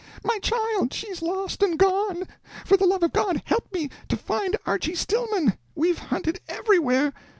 my child! she's lost and gone! For the love of God help me to find Archy Stillman; we've hunted everywhere!"